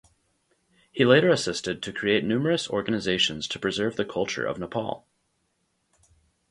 He later assisted to create numerous organizations to preserve the culture of Nepal.